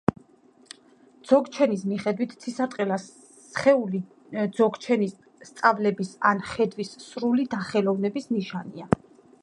ძოგჩენის მიხედვით, ცისარტყელა სხეული ძოგჩენის სწავლების ან ხედვის სრული დახელოვნების ნიშანია.